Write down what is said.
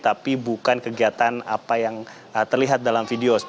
tapi bukan kegiatan apa yang terlihat dalam video